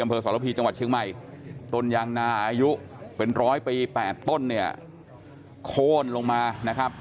สรพีจังหวัดเชียงใหม่ต้นยางนาอายุเป็นร้อยปี๘ต้นเนี่ยโค้นลงมานะครับ